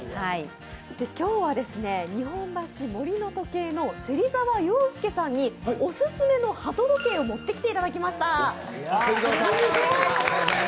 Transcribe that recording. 今日は日本橋森の時計の芹澤庸介さんに、オススメの鳩時計を持ってきていただきました。